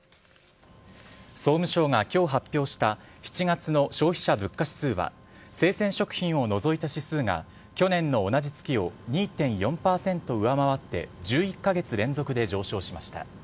総務省が今日発表した７月の消費者物価指数は生鮮食品を除いた指数が去年の同じ月を２．４％上回って１１カ月連続で上昇しました。